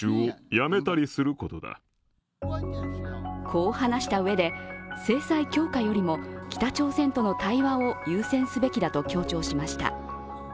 こう話したうえで、制裁強化よりも北朝鮮との対話を優先すべきだと強調しました。